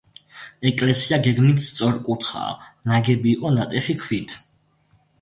ეკლესია გეგმით სწორკუთხაა, ნაგები იყო ნატეხი ქვით.